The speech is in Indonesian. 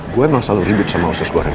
gue emang selalu ribut sama musus goreng